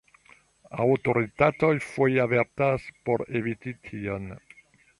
Aŭtoritatoj foje avertas por eviti tion.